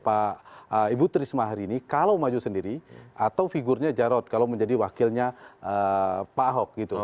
pak ibu trisma hari ini kalau maju sendiri atau figurnya jarod kalau menjadi wakilnya pak ahok gitu